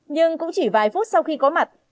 nhưng cũng chỉ vài phút sau khi có mặt